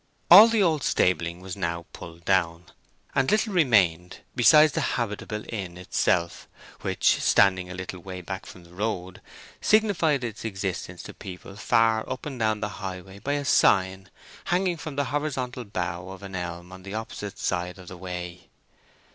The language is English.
All the old stabling was now pulled down, and little remained besides the habitable inn itself, which, standing a little way back from the road, signified its existence to people far up and down the highway by a sign hanging from the horizontal bough of an elm on the opposite side of the way.